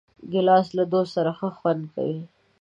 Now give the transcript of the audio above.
ګیلاس له دوست سره ښه خوند کوي.